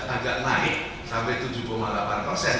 agak naik sampai tujuh puluh delapan